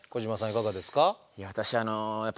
いかがですか？